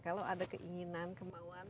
kalau ada keinginan kemauan